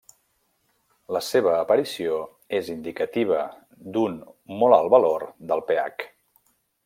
La seva aparició és indicativa d'un molt alt valor del pH.